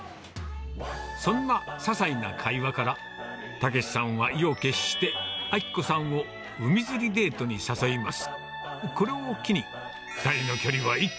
そんなささいな会話から、武さんは意を決して、暁子さんを海釣りデートに誘います。